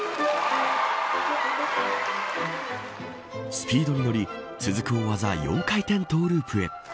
スピードに乗り続く大技４回転トゥループへ。